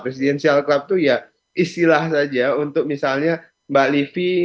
presidential club itu ya istilah saja untuk misalnya mbak livi